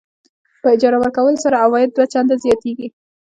په اجاره ورکولو سره عواید دوه چنده زیاتېږي.